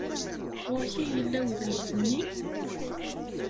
Ɣer-k ay yella wedlis-nni?